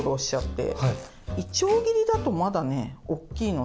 いちょう切りだとまだねおっきいので。